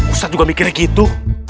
ustadz juga mikirnya gitu